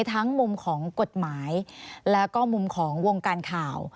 ทั้งมุมของกฎหมายแล้วก็มุมของวงการข่าว